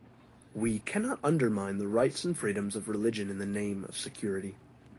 We cannot undermine the rights and freedoms of religion in the name of security.